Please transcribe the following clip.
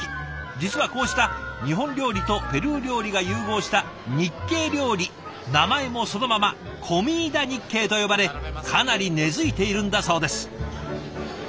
実はこうした日本料理とペルー料理が融合した日系料理名前もそのままコミーダ・ニッケイと呼ばれかなり根づいているんだそうです。